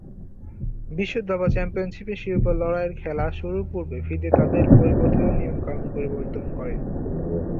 বিশ্ব দাবা চ্যাম্পিয়নশীপের শিরোপা লড়াইয়ের খেলা শুরুর পূর্বে ফিদে তাদের প্রবর্তিত নিয়ম-কানুন পরিবর্তন করে।